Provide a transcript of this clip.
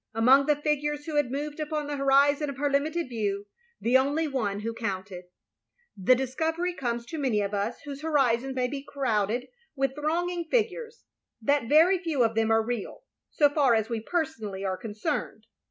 Among the figures who had moved upon the horizon of her limited view, the only one who counted. The discovery comes to many of us whose horizons may be crowded with thronging figures, — ^that very few of them are real, so far as we personally are concerned.